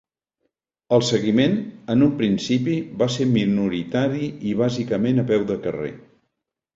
El seguiment, en un principi, va ser minoritari i bàsicament a peu de carrer.